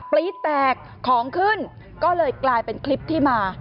รี๊ดแตกของขึ้นก็เลยกลายเป็นคลิปที่มา